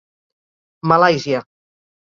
Malàisia.